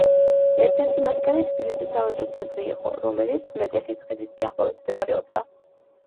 ერთ-ერთი მათგანი თბილისის სავაჭრო ცენტრი იყო, რომელიც მეტეხის ხიდის სიახლოვეს მდებარეობდა.